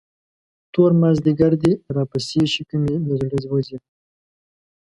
تور مازدیګر دې راپسې شي، که مې له زړه وځې.